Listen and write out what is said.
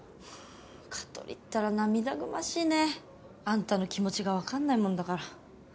香取ったら涙ぐましいね。あんたの気持ちがわかんないもんだから。